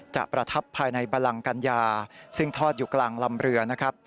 ประทับภายในบลังกัญญาซึ่งทอดอยู่กลางลำเรือนะครับ